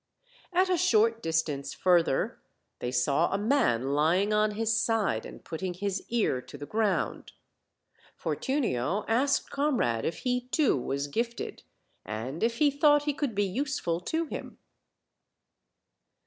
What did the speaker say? At a short distance further they saw a man lying on his side and putting his ear to the ground. Fortunio asked Comrade if he too was gifted, and if he thought he could be useful to him.